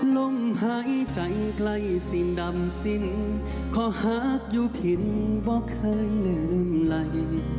ลมหายใจใกล้สิ่งดำสิ้นขอหักอยู่พินบ่เคยลืมไหล